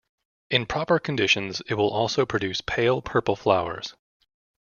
In proper conditions, it will also produce pale purple flowers.